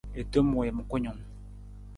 I tom wiim kunung.